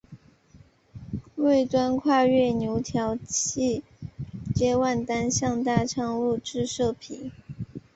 末端跨越牛稠溪接万丹乡大昌路至社皮。